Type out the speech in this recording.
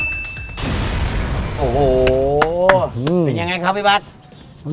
สิ่งยังไงครับพี่บัส